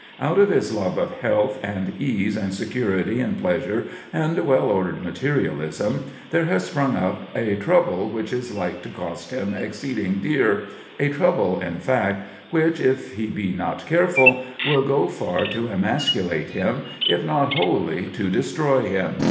Out of his love of health and ease and security and pleasure and well ordered materialism there has sprung up a trouble which is like to cost him exceeding dear a trouble, in fact, which, if he be not careful, will go far to emasculate him, if not wholly to destroy him.